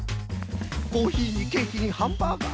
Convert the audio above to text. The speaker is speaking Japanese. コーヒーにケーキにハンバーガー